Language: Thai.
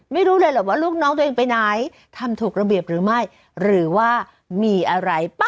ไม่รู้เลยหรอกว่าลูกน้องตัวเองไปไหนทำถูกระเบียบหรือไม่หรือว่ามีอะไรป่ะ